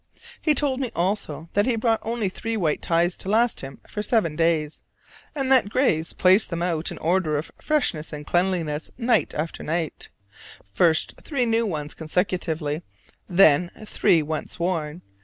He told me also that he brought only three white ties to last him for seven days: and that Graves placed them out in order of freshness and cleanliness night after night: first three new ones consecutively, then three once worn.